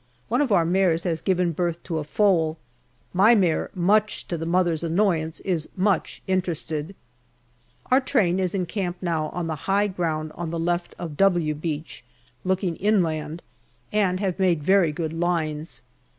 One of our mares has given birth to a foal ; my mare, much to the mother's annoyance, is much interested. Our train is in camp now on the high ground on the left of " W " Beach looking inland, and have made very good lines.